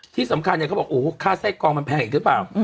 ที่สำคัญเนี่ยเขาบอกโอ้โหค่าไส้กองมันแพงอีกหรือเปล่า